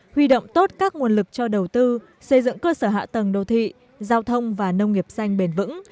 huy động tốt các nguồn lực cho đầu tư xây dựng cơ sở hạ tầng đô thị giao thông và nông nghiệp xanh bền vững